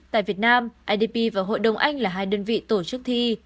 tại việt nam idp và hội đồng anh là hai đơn vị tổ chức thi